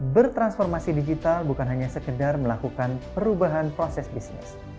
bertransformasi digital bukan hanya sekedar melakukan perubahan proses bisnis